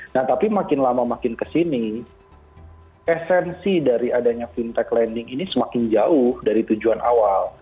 nah tapi makin lama makin kesini esensi dari adanya fintech lending ini semakin jauh dari tujuan awal